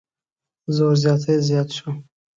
زور زیاتی زیات شو.